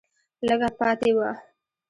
لږه پاتې وه